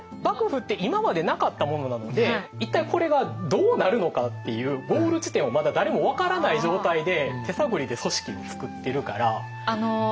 幕府って今までなかったものなので一体これがどうなるのかっていうゴール地点をまだ誰も分からない状態で手探りで組織を作ってるから。